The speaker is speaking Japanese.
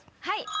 はい！